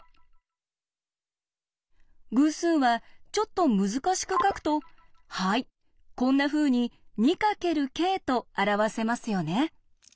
偶数はちょっと難しく書くとはいこんなふうに「２かけるｋ」と表せますよね。